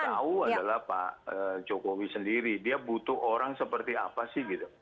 yang tahu adalah pak jokowi sendiri dia butuh orang seperti apa sih gitu